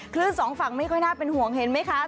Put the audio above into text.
สองฝั่งไม่ค่อยน่าเป็นห่วงเห็นไหมคะ